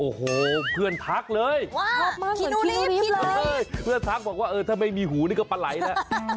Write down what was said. โอ้โหเพื่อนทักเลยเพื่อนทักบอกว่าเออถ้าไม่มีหูนี่ก็ปลาไหลแล้ว